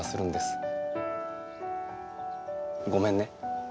ごめんね。